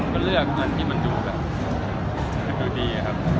ครับตอนที่มาก่อนกรอบพูดด้วย